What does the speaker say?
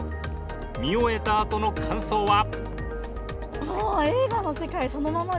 見終えたあとの感想は？